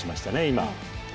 今。